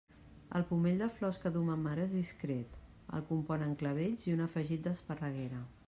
El pomell de flors que duu ma mare és discret; el componen clavells i un afegit d'esparreguera.